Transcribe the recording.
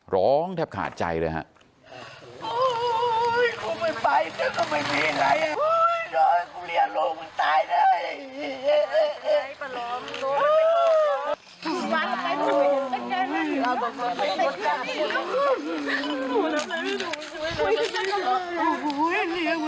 ร้องแทบขาดใจเลยฮะ